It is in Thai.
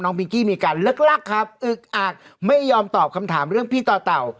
พิงกี้มีการเลิกลักครับอึกอักไม่ยอมตอบคำถามเรื่องพี่ต่อเต่า